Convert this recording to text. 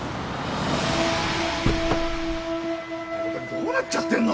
・おたくどうなっちゃってんの。